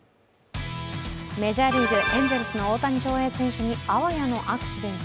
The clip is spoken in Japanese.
メジャーリーグ・エンゼルスの大谷翔平選手にあわやのアクシデント。